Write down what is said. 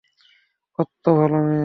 কত্ত ভালো মেয়ে!